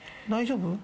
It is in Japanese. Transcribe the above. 大丈夫？